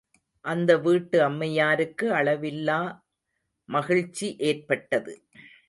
அந்த வீட்டு அம்மையாருக்கு அளவில்லா மகிழ்ச்சி ஏற்பட்டது.